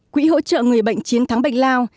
quỹ hỗ trợ người bệnh chiến thắng bệnh lao